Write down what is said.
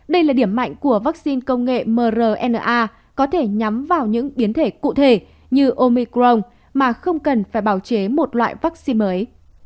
đây là điểm mạnh của vaccine công nghệ mrna có thể nhắm vào những biến thể cụ thể như omicron mà không cần phải bào chế một loại vaccine mới